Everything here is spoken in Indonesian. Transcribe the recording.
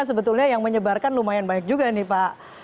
sebetulnya yang menyebarkan lumayan banyak juga nih pak